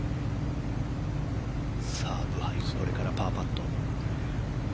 ブハイ、これからパーパット。